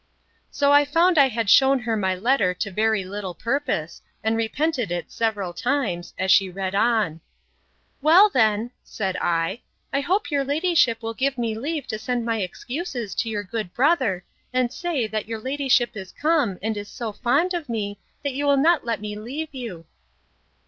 So I found I had shewn her my letter to very little purpose, and repented it several times, as she read on.—Well, then, said I, I hope your ladyship will give me leave to send my excuses to your good brother, and say, that your ladyship is come, and is so fond of me, that you will not let me leave you.